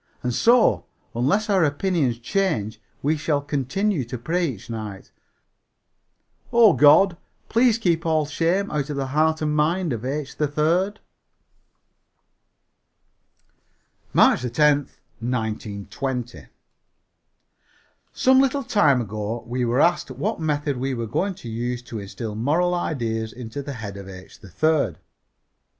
And so, unless our opinions change, we shall continue to pray each night, "Oh God, please keep all shame out of the heart and mind of H. 3rd." MARCH 10, 1920. Some little time ago we were asked what method we were going to use to instil moral ideas into the head of H. 3rd.